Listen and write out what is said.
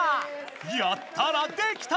やったらできた！